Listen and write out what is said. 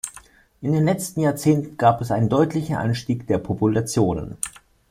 In den letzten Jahrzehnten gab es einen deutlichen Anstieg der Populationen.